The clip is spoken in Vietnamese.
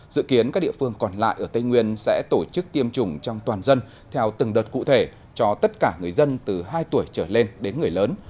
dự kiến các địa phương còn lại ở tây nguyên sẽ tổ chức tiêm chủng trong toàn dân theo từng đợt cụ thể cho tất cả người dân từ hai tuổi trở lên đến người lớn